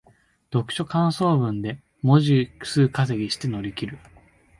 読書感想文で文字数稼ぎして乗り切る